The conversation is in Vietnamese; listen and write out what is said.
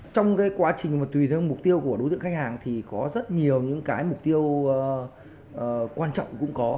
trong quá trình tùy theo mục tiêu của đối tượng khách hàng thì có rất nhiều mục tiêu quan trọng